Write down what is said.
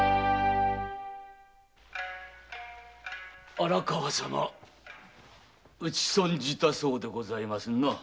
荒川様打ち損じたそうでございますな。